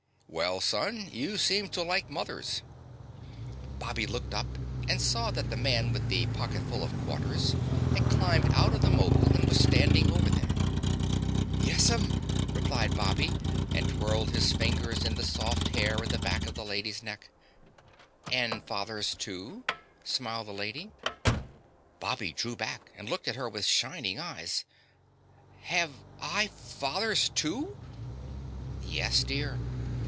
"Well, son, you seem to like mothers." Bobby looked up and saw that the Man with the Pocketful of Quarters had climbed out of the 'mobile and was standing over them. "Yes'm," replied Bobby and twined his fingers in the soft hair at the back of the Lady's neck. "And fathers, too?" smiled the lady. Bobby drew back and looked at her with shining eyes. "Have I fathers, too?" "Yes, dear.